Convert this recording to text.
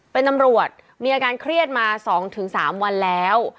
เป็นตำรวจมีอาการเครียดมา๒๓วันแล้ว